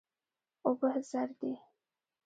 اوبه زر دي.